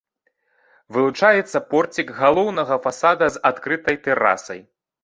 Вылучаецца порцік галоўнага фасада з адкрытай тэрасай.